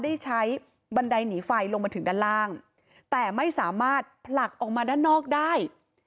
ได้ใช้บันไดหนีไฟลงมาถึงด้านล่างแต่ไม่สามารถผลักออกมาด้านนอกได้